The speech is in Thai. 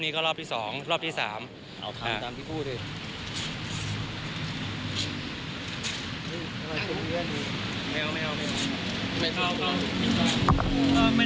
ไม่เคียงข้องกับความเป็นพ่อเลยไม่มี